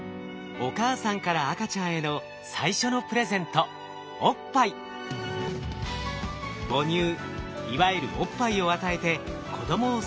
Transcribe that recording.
お母さんから赤ちゃんへの最初のプレゼント母乳いわゆるおっぱいを与えて子供を育てる。